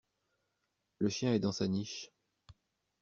Le chien est dans sa niche.